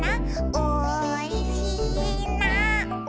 「おいしいな」